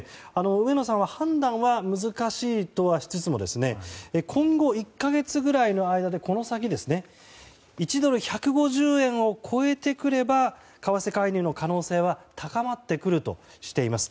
上野さんは判断は難しいとはしつつも今後１か月ぐらいの間でこの先１ドル＝１５０円を超えてくれば為替介入の可能性は高まってくるとしています。